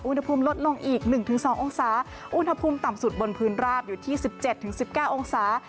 อุณหภูมิลดลงอีก๑๒องศาอุณหภูมิต่ำสุดบนพื้นราบอยู่ที่๑๗๑๙องศา